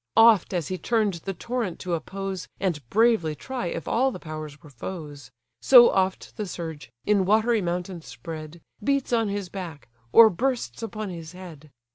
Oft as he turn'd the torrent to oppose, And bravely try if all the powers were foes; So oft the surge, in watery mountains spread, Beats on his back, or bursts upon his head.